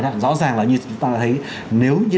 rõ ràng là như chúng ta đã thấy nếu như